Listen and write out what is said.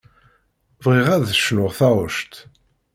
Bɣiɣ ad d-tecnuḍ taɣect.